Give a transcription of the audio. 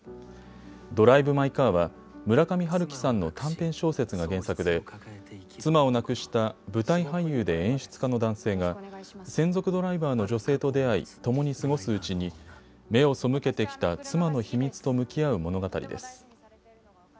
ドライブ・マイ・カーは、村上春樹さんの短編小説が原作で妻を亡くした舞台俳優で演出家の男性が専属ドライバーの女性と出会い、ともに過ごすうちに目を背けてきた妻の秘密と向き合う物語です。